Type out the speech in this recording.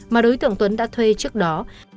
mà đối tượng tuấn đã thuê trước đó